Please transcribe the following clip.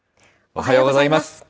おはようございます。